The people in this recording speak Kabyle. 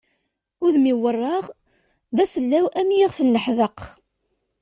Udem-iw werraɣ d asellaw am yixef n laḥbeq.